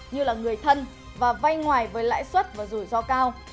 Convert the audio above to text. như là người thân và vay ngoài với lãi suất và rủi ro cao